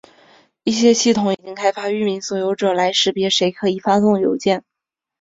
一些系统已经开发域名所有者来识别谁可以发送邮件。